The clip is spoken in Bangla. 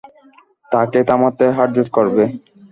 তাকে থামাতে হাতজোড় করবে।